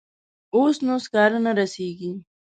اوس نو سکاره نه رسیږي.